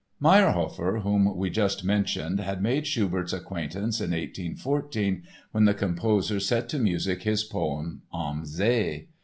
Mayrhofer, whom we just mentioned, had made Schubert's acquaintance in 1814, when the composer set to music his poem Am See.